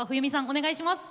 お願いします。